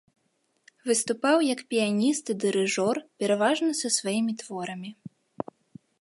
Выступаў як піяніст і дырыжор пераважна са сваімі творамі.